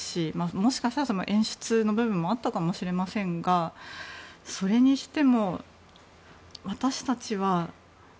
もしかしたら、演出の部分もあったかもしれませんがそれにしても、私たちは。